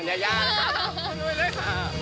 งานมันหนักพอสมควรค่ะ